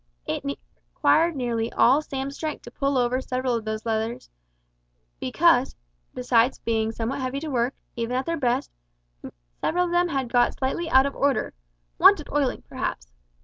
It required nearly all Sam's strength to "pull over" several of those levers, because, besides being somewhat heavy to work, even at their best, several of them had got slightly out of order wanted oiling, perhaps.